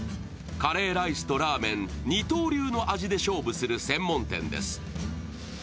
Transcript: カレーライスとラーメン二刀流の味で勝負する専門店です。